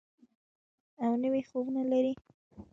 او نوي خوبونه لري.